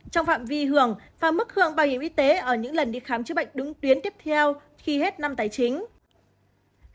trong phạm vi hưởng và mức hưởng bảo hiểm y tế ở những lần đi khám chữa bệnh đúng tuyến tiếp theo khi hết năm tài chính